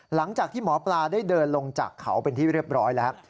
หลังจากที่หมอปลาได้เดินลงจากเขาเป็นที่เรียบร้อยแล้ว